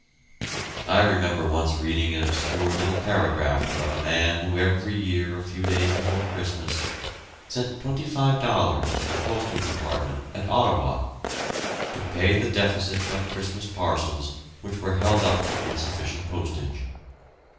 I remember once reading an obscure little paragraph about a man who every year a few days before Christmas sent twenty five dollars to the Postal Department at Ottawa, to pay the deficit on Christmas parcels which were held up for insufficient postage.